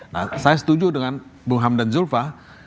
nah saya setuju dengan bung hamdan zulfa